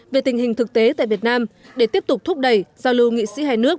về tình hình thực tế tại việt nam để tiếp tục thúc đẩy giao lưu nghị sĩ hai nước